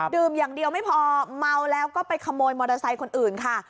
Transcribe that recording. ดื่มอย่างเดียวไม่พอเมาแล้วก็ไปขโมยมอเตอร์ไซค์คนอื่นค่ะ